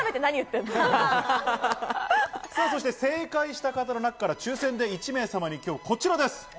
正解した方の中から抽選で１名様にこちらです。